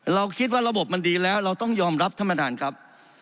เราคิดว่าระบบมันดีแล้วเราต้องยอมรับท่านประธานครับ